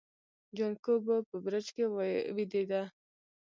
جانکو به په برج کې ويدېده.